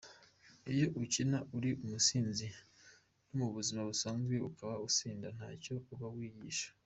Iyo ukina uri umusinzi no mu buzima busanzwe ukaba usinda ntacyo uba wigisha.